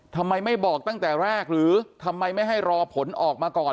ทำไมไม่บอกตั้งแต่แรกหรือทำไมไม่ให้รอผลออกมาก่อน